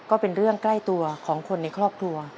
ก็เป็นเรื่องใกล้ตัวของคนในครอบครัว